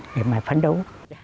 để mà phấn đấu